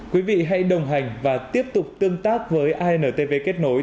quý vị hãy đồng hành và tiếp tục tương tác với intv kết nối